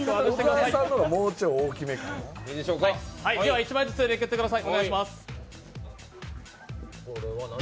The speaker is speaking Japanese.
１枚ずつめくってください。